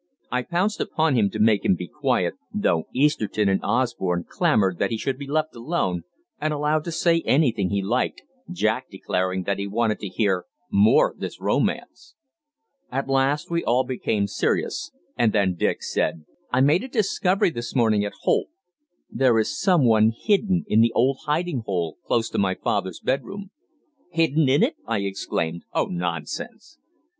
I pounced upon him to make him be quiet, though Easterton and Osborne clamoured that he should be left alone and allowed to say anything he liked, Jack declaring that he wanted to hear "more of this romance." At last we all became serious, and then Dick said: "I made a discovery this morning at Holt. There is someone hidden in the old hiding hole close to father's bedroom." "Hidden in it!" I exclaimed. "Oh, nonsense!"